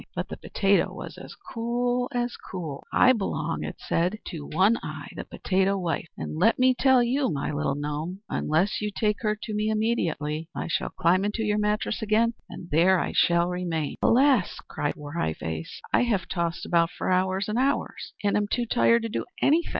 But the potato was as cool as cool. "I belong," it said, "to One Eye, the potato wife; and let me tell you, my little gnome, unless you take me to her immediately, I shall climb into your mattress again; and there I shall remain!" "Alas," cried Wry Face, "I have tossed about for hours and hours, and am too tired to do anything.